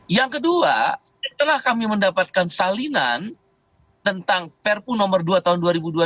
yang kedua setelah kami mendapatkan salinan tentang perpu nomor dua tahun dua ribu dua puluh